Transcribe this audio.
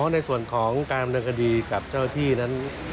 อ๋อในส่วนของการบำนึงคดีกับเจ้าหน้าที่นั้น